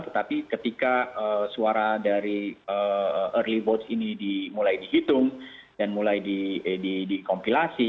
tetapi ketika suara dari early vote ini mulai dihitung dan mulai dikompilasi